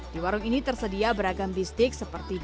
di warung ini tersedia beragam bistik seperti